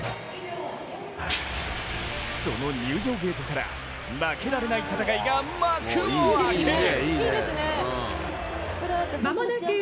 その入場ゲートから負けられない戦いが幕を開ける！